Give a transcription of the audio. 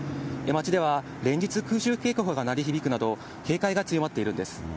街では、連日、空襲警報が鳴り響くなど、警戒が強まっているんです。